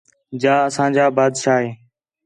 جا اسانجا بادشاہ ہِے